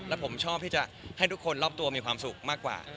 แล้วผมชอบที่จะให้ทุกคนรอบตัวมีความสุขมากกว่า